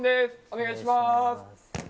お願いします。